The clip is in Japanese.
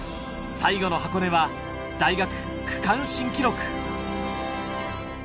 最後の箱根は大学区間新記録！